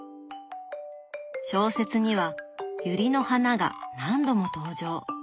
小説にはゆりの花が何度も登場。